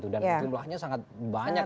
dan kemulahannya sangat banyak